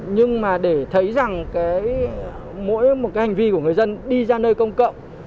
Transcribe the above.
nhưng để thấy rằng mỗi hành vi của người dân đi ra nơi công cộng